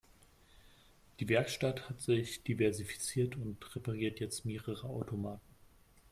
Die Werkstatt hat sich diversifiziert und repariert jetzt mehrere Automarken.